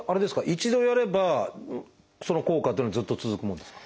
一度やればその効果っていうのはずっと続くものですか？